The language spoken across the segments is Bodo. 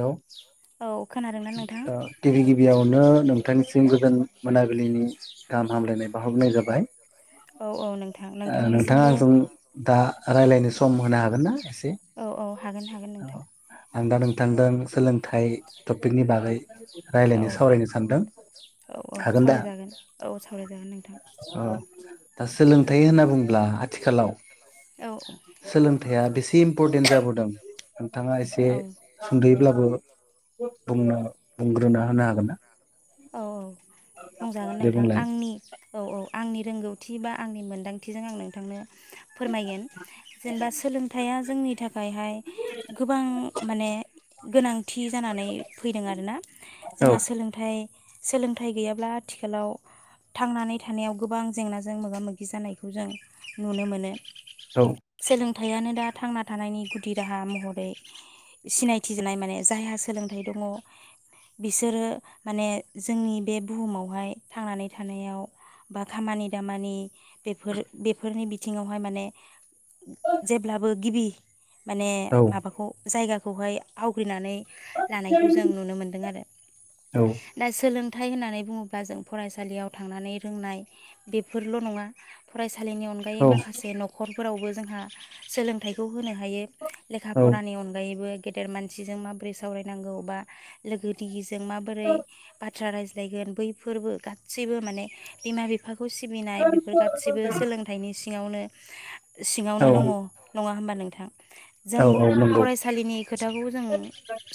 हेऔ ओ औ खोनादोंना नोंथां गिबि गिबियावनो नोंथांनिसिम गोजोन मोनाबिलिनि गाहाम हामलायनाय बाहरनाय जाबाय औ औ नोंथां नोंथांनिसिमबो रायज्लायनो सम होनो हागोन ना? एसे औ औ हागोन हागोन नोंथां। आं दा नोंथ नोंथांदों सोलोंथाइ टपिकनि बाग औ औ औ हागोन दा सावरायजागोन औ सावरायजागोन नोंथां अ दा सोलोंथाइ होनना बुङोब्ला आथिखालाव औ औ। थाइया बेसे इमपर्टेन्ट जाबोदों। नोंथाङा एसे औ ब्लाबो बुंनो बुंग्रोना होनो हागोन ना औ औ बुंजागोन दे नोंथां बुंलाय आंनि औ औ आंनि रोंगौथि बा आंनि मोनदांथिजों आं नोंथांनो फोरमायगोन जेनेबा सोलोंथाइया जोंनि थाखायहाय गोबां माने गोनांथि जानानै फैदों आरोना औ जोंहा सोलोंथाइ सोलोंथाइ गैयाब्ला आथिखालाव थांनानै थानायाव गोबां जेंनाजों मोगा मोगि जानायखौ जों नुनो मोनो। औ हायथायानो दा थांना थानायनि गुदि राहा महरै सिनायथि जानाय माने जायहा सोलोंथाइ दङ बिसोरो माने, जोंनि बे बुहुमावहाय थांनानै थानायाव बा खामानि दामानि बेफोर बेफोरनि बिथिङावहाय माने जेब्लाबो गिबि, माने औ माबाखौ जायगाखौ खौहाय आवग्रिनानै लानायखौ जों नुनो मोनदों औ आरो सोलोंथाइ होननानै बुङोब्ला जों फरायसालियाव थांनानै रोंनाय बेफोरल' नङा फराय थालिनि अनगायै औ माखासे न'खर फोरावबो जोंहा सोलोंथाइखौ होनो हायो लेखा फरानि अनगायैबो गेदेर मानसिजों माबोरै सावरायनांगौ बा लोगो दि जों माबोरै बाथ्रा रायज्लायगोन बैफोरबो गासैबो माने बिमा बिफा खौ सिबिनाय बेफोर गासिबो सोलोंथाइनि सि सिङावनो सिङावनो औ दङ नङा होमबा नोंङो, नोंथां जों औ औ नंगौ फरायसालिनि खोथाखौ जों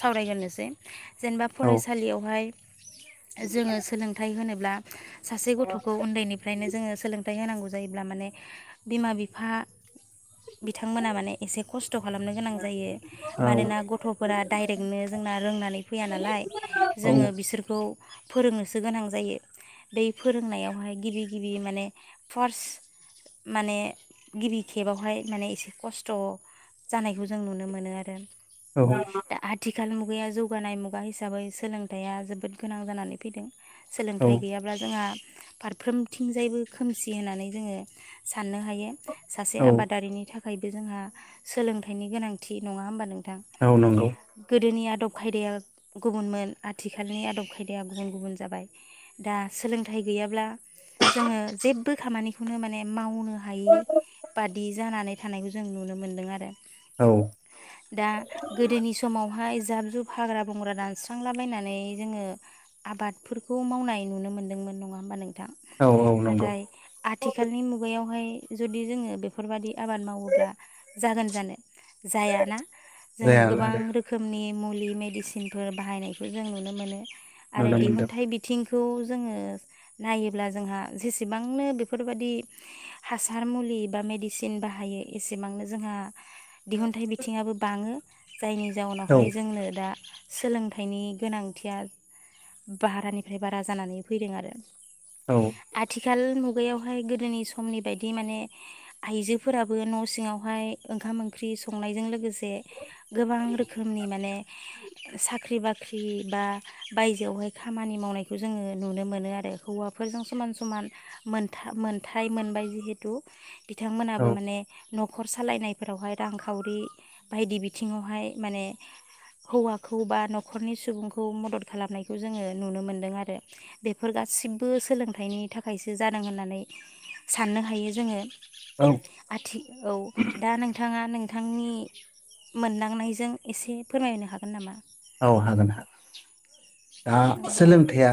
सावरायगोरोसै [unintelligible] जेनेबा औ फरायसालियावहाय जोङो सोलोंथाइ होनोब्ला सासे गथ'खौ उन्दैनिफ्रायनो जोङो सोलोंथाइ होनांगौ जायोब्ला माने बिमा बिफा बिथांमोना माने एसे खस्थ' खालामनो गोनां जायो औ मानोना गथ'फोरा डाइरेक्टनो जोंना रोंनानै फैया नालाय औ जोङो बिसोर खौ फोरोंनोसो गोनां जायो बै फोरोंनायावहाय गिबि गिबि माने फार्स्ट माने गिबि खेबावहाय माने एसे खस्थ' जानायखौ जों नुनो मोनो आरो। औ थिखाल मुगाया जौगानाय मुगा हिसाबै सोलोंथाइया जोबोद गोनां जानानै फैदों। सोलोंथाइ गैयाब्ला जोंहा फारफ्रोमथिंजायबो खोमसि होननानै जोङो साननो हायो। सासे औ आबादारिनि थाखा खायबो जोंहा सोलोंथाइनि गोनांथि नङा होमबा नों थां औ नंगौ गोदोनि आ दब खायदाया गुबुनमोन आथिखालनि आदब खायदाया गुबुन गुबुन जाबाय दा सोलोंथाइ गैयाब्ला जोङो जेबो खामानिखौनो माने मावनो हायि बादि जानानै थानायखौ जों नुनो मोन्दों आरो। औ दा गोदोनि समावहाय जाब जुब हाग्रा बंग्रा दानस्रांलाबायनानै जोङो आबादफोरखौ मावनाय नुनो मोनदोंमोन नङा होमबा नों थां औ औ नंगौ नाथाय आथिखालनि मुगायावहाय जुदि जोङो बेफोरबादि आबाद मावोब्ला जागोन जानो? जायाना जोङो जाया गोबां रोखोमनि मुलि मेडिसिनफोर बाहायनायखौ जों नुनो मोनो। आरो नुनो मोनदों दिहुनथाइ बिथिं खौ जोङो नायोब्ला जोंहा जेसेबांनो बेफोरबादि हासार मुलि बा मेडिसिन बाहायो एसेबांनो जोंहा दिहुनथाइ बिथिङाबो बाङो। जायनि औ जाउनावहाय जोंनो दा सोलोंथाइनि गोनांथिया बारानिफ्राय बारा जानानै फैदों आरो। औ। खाल मुगायावहाय गोदोनि समनि बायदि माने आइजोफोराबो न' सिङावहाय ओंखाम ओंख्रि संनायजों लोगोस ए गोबां रोखोमनि माने साख्रि बाख ख्रि बा बायजोआवहाय खामानि मावनायखौ जोङो नुनो मोनो आरो हौवाफोरजों समान समान मोनथा मोनथाय मोनबाय जिहेतु बिथांमोनाबो औ माने न'खर सालायनायफोरावहाय रांखावरि बायदि बिथिङावहाय माने हौवाखौ बा न'खरनि सुबुंखौ मदद खालामनायखौ जोङो नुनो मोनदों आरो बेफोर गासिबो सोलोंथाइनि थाखायसो जादों होननानै साननो हायो जोङो। औ आथि औ दा नोंथाङा नों थांनि मोनदांनायजों एसे फोरमायनो हागोन नामा? औ हागोन हागोन दा औ दे सोलोंथाया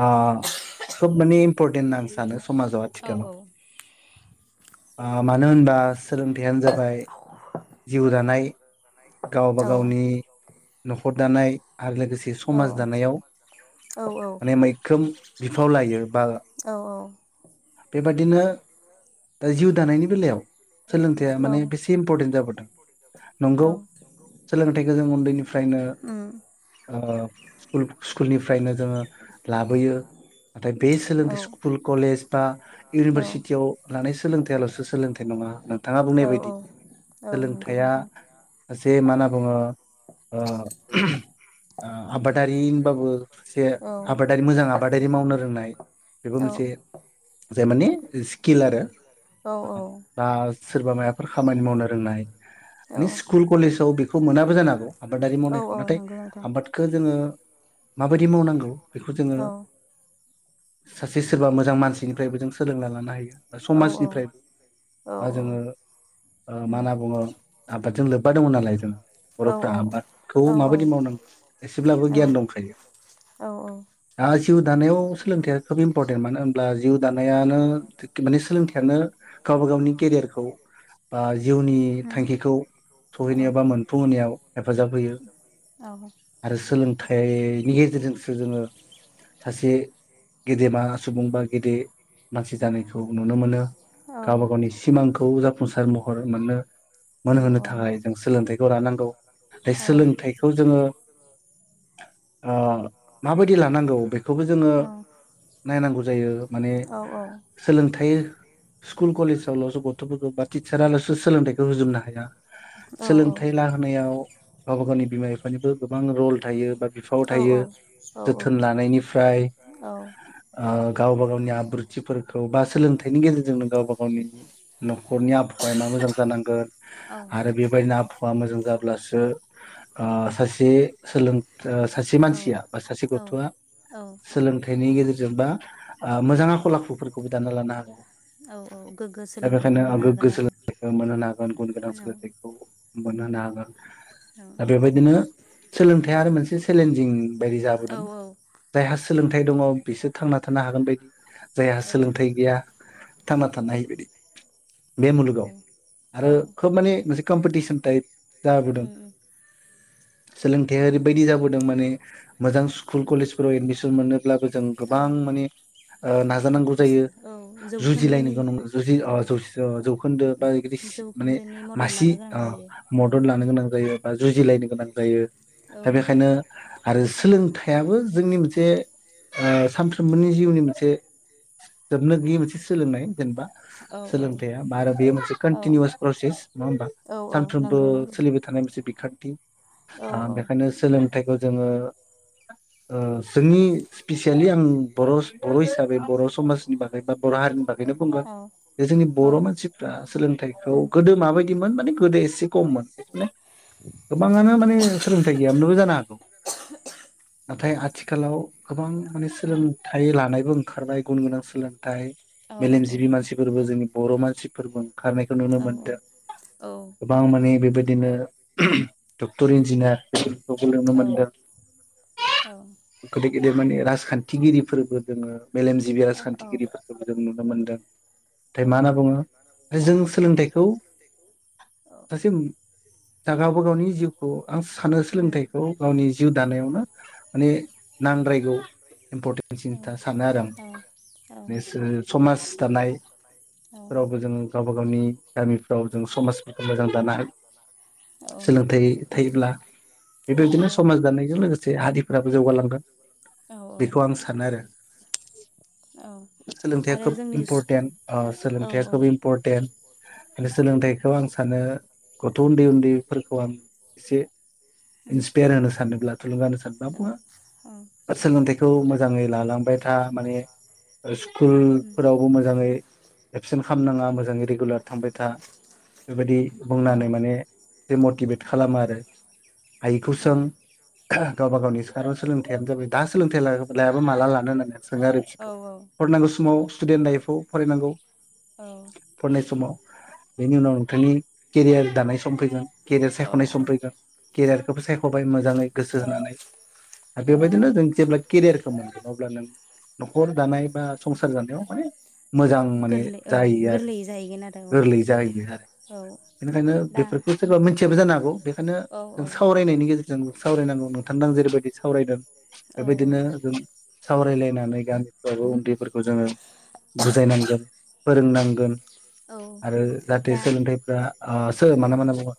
अ खोब माने इम्पर्टेन्ट होनना आं सानो समाजाव औ आथिखालाव। औ ओ मानो होनबा सोलोंथाइयानो जाबाय जिउ दानाय गावबा औ गावनि न'खर दानाय आरो लोगोसे औ समाज दानायाव औ माने मैखोम बिफाव लायो बा औ बेबादिनो दा जिउ दानायनि बेलायाव सोलोंथाइया औ माने बेसे इम्परटेन्ट जाबोदों नंगौ औ सोलोंथाइखौ जों उन्दैनिफ्रायनो उम ओ स्कुल-स्कुलनिफ्रायनो जोङो लाबोयो नाथाय बे औ सोलोंथाइ स्कुल कलेज बा औ इउनिभारसिटियाव लानाय सोलोंथाइ सोलोंथाइयाल'सो सोलोंथाइ नङा नोंथाङा बुंनाय औ बायदि औ नंगौ सोलोंथाइया नोंथां जे बे मा होनना बुङो ओ ओ आबादारि होनबाबो एसे औ आबादारि मोजां आ आबादारि मावनो रोंनाय बेबो औ मोनसे जाय माने स्किल आरो। औ औ। बा सोरबा मायाफोर खामानि मावनो रोंनाय औ मानि स्कुल कलेजाव बेख बेखौ मोनाबो जानो हागौ आबादारि औ मावनायखौ औ नाथाय नंगौ नोंथां आबादखौ जोङो माबायदि मावनांगौ बेखौ औ जोङो औ सासे सोरबा मोजां मोजां मानसिनिफ्रायबो जों सोलोंना लानो हायो बा औ औ समाजनिफ्राय बा जोङो औ मा होनना बुङो आबादजों लोब्बा दङ नालाय जोंङो बर'फ्रा आबादखौ माबायदि मावनांगौ एसेब्लाबो गियान दंखायो। दा जिउ दानायाव सोलोंथाइया खोब इमपरटेन मानो होनब्ला जिउ दानायानो माने सोलोंथाइयानो गावबा गावनि केरियारखौ बा जिउनि थांखिखौ सहैनायाव बा मोनफुंहोनायाव हेफाजाब होयो आरो सोलोंथाइ ऐ नि गेजेरजोंसो जोङो सासे गेदेमा सुबुं बा गेदेर मानसि जानायखौ नुनो मोनो। गावबा गावनि सिमांखौ जाफुंसार महर मोननो मोनहोनो थाखाय जों सोलोंथाइखौ लानांगौ बे सोलोंथाइखौ जोङो ओ माबायदि लानांगौ बेखौबो जोङो औ नायनांगौ जायो माने सोलोंथाइ स्कुल कलेजावल'सो गथ'फोरखौ बा टिचार आल'सो सोलोंथाइखौ होजोबनो हाया। सोलोंथाइ लाहोनायाव गावबा गावनि बिमा बिफानिबो गोबां रल थायो। बा बिफाङाव औ थायो। औ जोथोन औ लानायनिफ्राय ओ गावबा गावनि आब्रुथिफोरखौ बा सोलोंथाइनि गेजेरजोंनो गावबा गावनि नखरनिया फाय मा मोजां जानांगोन आरो बेबायदि आ आखुवा मोजां जाब्लासो सासे सोलों सासे मानसिया सासे गथ' सोलोंथाइ बेनि गेजेरजों बा मोजां आखल आखुफोरखौबो दाना लानो हागौ। गोग्गो दा सोलोंथाइखौ बेखायनो आं मोननो हागोन गोग्गो आरो सोलोंथाइखौ मोनहोनो हागोन गुन गोनां सोलोंथाइखौ मोनहोनो हागोन। दा बेबायदिनो सोलोंथाइ आरो मोनसे चेलेन्जिं बायदि औ जाबोदों जायहासो सोलोंथाइ दङ बिसोर थांना थानो हागोन बायदि औ जायहा सोलोंथाइ गैया थांना थानो हायि बायदि बे मुलुगाव औ आरो खोब माने मोनसे कम्पिटिसन टाइप जाबोदों। औ औ सोलोंथाइया ओरैबायदि जाबोदों माने मोजां स्कुल कलेजफोराव एडमिसन मोनोब्लाबो जों औ गोबां माने नाजानांगौ जायो औ जुजिलायनो जौखोन्दोनि गोनां जुजि औ ओ गुजि जौखोन्दो बा बेदि माने जौखोन्दोनि मदद मासि लानो गोनां ओ जायो औ मदद लानो गोनां जायो। जुजिलायनो गोनां जायो। दा बेखायनो आरो सोलोंथाइयाबो जोंनि मोनसे ओ सानफ्रोमबोनि जिउनि मोनसे जोबनो गैयै मोनसे सोलोंनाय। जेनेबा औ सोलोंथाया बा आरो बेयो मोनसे औ कन्टिनिउवास प्रसेस नङा होमबा औ औ सानफ्रोमबो नंगौ नंगौ सोलिबाय थानाय मोनसे बिखाट। [unintelligible] औ ओ औ बेखायनो सोलों हाथायखौ जोङो ओ जोंनि स्पिसियेलि आं बर' बर' हिसाबै बर' समाजनि बागै बा बर' हारिनि बागै- बेनो बुंगोन औ जे जोंनि औ बर' मानसिफ्रा सोलोंथाइखौ उम गोदो माबायदिमोन माने गोदो एसे खममोन माने गोबाङानो माने सोलोंथाइ गैयामनोबो जानो हागौ। नाथाय आथिखालाव गोबां माने औ सोलोंथाइ लानायबो ओंखारनाय गुन गोनां सोलोंथाइ औ औ मेलेमजिबि औ मानसिफोरबो जोंनि बर' मानसिफोरबो। खारनायखौ नुनो औ उम औ मोनदों औ गोबां माने बे बेबायदिनो डक्टर इन्जिनियार [unintelligible] नुनो मोनदों। गोदै गेदेर माने राजखान्थिगिरिफोरबो जोंङो मेलेमजिबि राजखान्थिगिरिफोरखौ जों नुनो मोनो। दों। नाथाय मा होनना बुंङो जों सोलोंथाइखौ सासे गावबा गावनि जिउखौ आं सानो सोलोंथाइखौ गावनि जानायावनो माने नांद्रायगौ सानो‌ आरो‌ आं। थानाय रावबो जों गावबा गावनि गामिफ्राव जों समाजफोरखौ मोजां दानो हायो। सोलोंथाइ थायोब्ला बेबायबायदिनो समाज दान्नायजों लोगोसे हारिफ्रा जौगालांगोन। बेखौ आं सानो आरो। सोलोंथाइया आरो खोब जोंनि इम्पर्टेन्ट ओ औ सोलोंथाइया औ खोब इम्परटेन्ट सोलोंथाइखौ आं सानो गथ उन्दै उन्दैफोरखौ आं एसे। [inaudible] बेेर होनो सानोब्ला थुलुंगा होनो सानोब्ला बुङो सोलोंथाइखौ मोजांङै लालांबाय था माने स्कुलफोरावबो मोजांङै एबसेन्ट खालाम नांङा मोजाङै रेगुलार थामबाय था बेबायदि बुंनानै माने मटिभेट खालामो आरो। भुसम था। गावबा गावनि सिखाराव सोलोंथाइानो जाबाय दा सोलोंथाइ लायाबा माला लानो होननानै सोंङो आरो खिखौ गोरलै फरायनागौ समाव स्टुडेन्ट लाइफआव फरायनांगौ फरायनाय समाव बेनि उनाव नोंथांनि केरियार दानाय सम फैगोन गेदेर सायखनाय सम फैगोन केरियार सायखबाय मोजांङै गोसो होनानै बेबायदिनो जों जेब्ला केरियारखौ मोनगोन अब्ला नों नखर दानाय बा संसार जानायाव माने मोजां माने ओं जाहैयो आरो गोरलै जाहैगोन आरो गोरलै जाहैयो आरो औ बेनिखायनो दा बेफोरखौ सोरबा मिथियाबो जानो हागौ बेखायनो औ औ सरायनायनि गेजेरजों सावरायनांगौ नोंथांदों आं जेरैबायदि सावरायदों औ बेबायदिनो जों सावरायलायनानै गामिफ्रावबो उन्दैफोरखौ जोंङो बुजायनांगोन फोरोंनांगोन औ आरो जाहाथे दा सोलोंथाइफ्रा ओ सोर औ मानो मा होनना बुंङो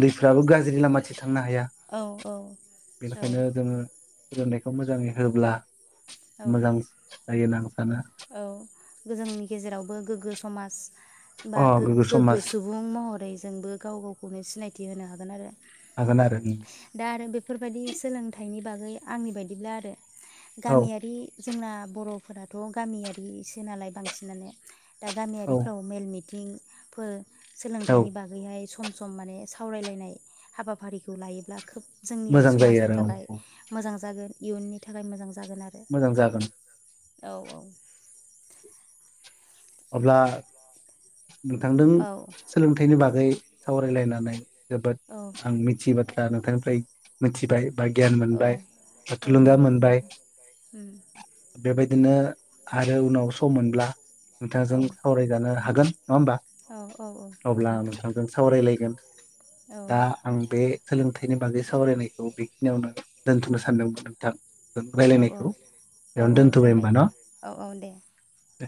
[unintelligible] ब्लाबो गाज्रि लामा थांनो हाया औ औ बेनिखायनो जोंङो गोजोननायखौ मोजांङै होब्ला मोजां औ जाय नांसाना औ जोंनि गेजेरावबो गोग्गो समाज बा अ गोग्गो समाज सुबुं महरै जोंबो गाव गावखौनो सिनायथि होनो हागोन आरो हागोन आरो दा आरो बेफोरबायदि सोलोंथाइनि बागै आंनि बायदिब्ला आरो औ गामियारि जोंना बर [unintelligible] गामियारिसो नालाय बांसिनानो दा औ गामियारिफ्राव मेलमिट मिथिंफोर औ सोलोंथाइनि बागैहाय सम सम माने सावरायलायनाय हाबाफारिखौ लायोब्ला खोब जोंनि मोजां जायो समाजनि आरो औ थाखाय औ मोजां जागोन इयुननि थाखाय मोजां जागोन आरो मोजां जागोन औ औ अब्ला नोंथांदों औ सोलोंथाइनि बागै सावरायलायनानै जोबोद औ आं मिथियि बाथ दा नोंथांनिफ्राय मिथिबाय बा गियान औ मोनबाय बा औ थुलुंगा नंगौ मोनबाय नोंथां उम बेबाय बिदिनो आरो उनाव सम मोनब्ला औ नोंथांजों सावरायजानो हागोन नङा होमबा औ औ औ अब्ला नोंथां नोंथांजों सावरायलायगोन औ दा आं बे सोलोंथा नि बागै सावरायनायखौ बेखिनियावनो दोनथ'नो सानदोंमोन नोंथां औ रायलायनायखौ औ बेयावनो औ दोनथ'बाय जाबाय होमबा न औ औ दे दे